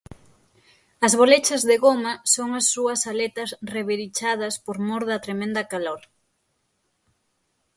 As bolechas de goma son as súas aletas revirichadas por mor da tremenda calor.